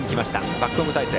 バックホーム態勢。